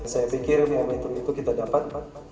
saya pikir momentum itu kita dapat